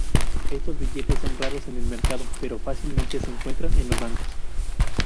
Estos billetes son raros en el mercado, pero fácilmente se encuentran en los bancos.